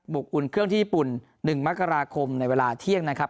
อุ่นเครื่องที่ญี่ปุ่น๑มกราคมในเวลาเที่ยงนะครับ